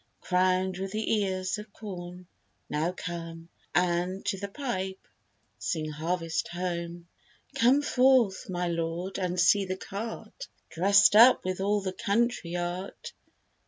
Crown'd with the ears of corn, now come, And, to the pipe, sing Harvest Home. Come forth, my lord, and see the cart Drest up with all the country art.